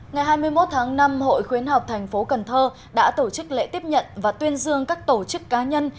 ngày hai mươi một tháng năm hội khuyến học tp cnh đã tổ chức lễ tiếp nhận và tuyên dương các tổ chức cá nhân